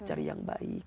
cari yang baik